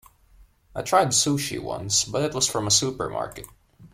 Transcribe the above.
I tried sushi once, but it was from a supermarket.